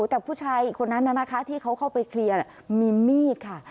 แต่ผู้ชายคนนั้นนะคะที่เขาเข้าไปเคลียร์มีมีดค่ะ